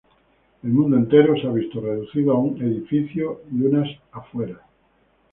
El mundo entero se ha visto reducido a un edificio y unas afueras.